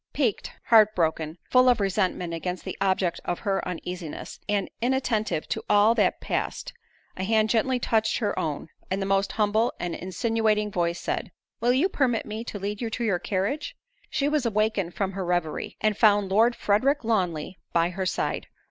Piqued—heart broken—full of resentment against the object of her uneasiness, and inattentive to all that passed, a hand gently touched her own; and the most humble and insinuating voice said, "Will you permit me to lead you to your carriage?" She was awakened from her revery, and found Lord Frederick Lawnly by her side.